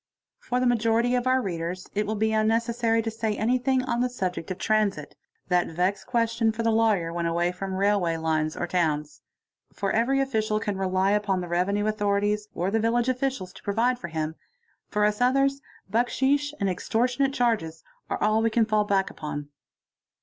For the majority of our readers it will be unnecessary to say anything 'on the subject of transit, that vexed question for the lawyer when away fron: railway lines or towns. Every official can rely upon the revenue f thorities or the village officials to provide for him; for us others, 0 cksheesh and extortionate charges are all we can fall back upon.